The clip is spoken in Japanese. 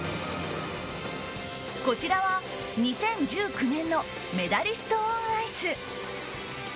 こちらは２０１９年のメダリストオンアイス。